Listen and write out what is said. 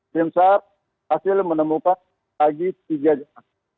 sejak hasil menemukan lagi tiga jenis penumpang